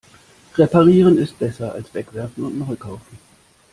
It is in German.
Reparieren ist besser als wegwerfen und neu kaufen.